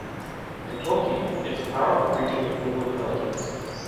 In Tolkien, it’s a powerful creature with little intelligence.